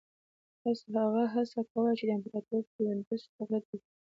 هغه هڅه کوله چې د امپراتور تیوودروس تقلید وکړي.